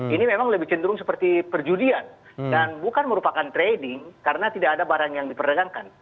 ini memang lebih cenderung seperti perjudian dan bukan merupakan trading karena tidak ada barang yang diperdagangkan